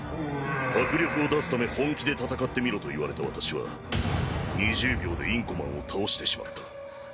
迫力を出すため本気で戦ってみろと言われた私は２０秒でインコマンを倒してしまった。